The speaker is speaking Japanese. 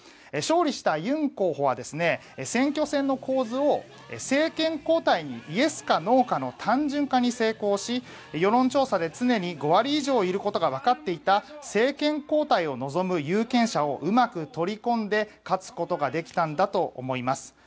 勝利したユン候補は選挙戦の構図を政権交代にイエスかノーかの単純化に成功し世論調査で常に５割以上いることが分かっていた政権交代を望む有権者をうまく取り込んで勝つことができたんだと思います。